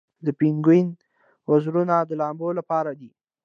د پینګوین وزرونه د لامبو لپاره دي